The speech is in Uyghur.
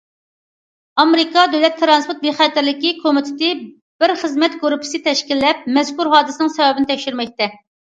ئامېرىكا دۆلەت تىرانسپورت بىخەتەرلىكى كومىتېتى بىر خىزمەت گۇرۇپپىسى تەشكىللەپ، مەزكۇر ھادىسىنىڭ سەۋەبىنى تەكشۈرمەكتە.